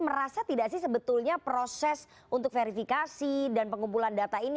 merasa tidak sih sebetulnya proses untuk verifikasi dan pengumpulan data ini